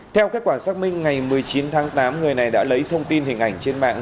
theo kết quả xác minh ngày một mươi chín tháng tám người này đã lấy thông tin hình ảnh trên mạng